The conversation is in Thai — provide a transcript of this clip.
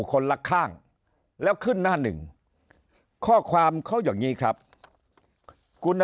คนละข้างแล้วขึ้นหน้าหนึ่งข้อความเขาอย่างนี้ครับคุณ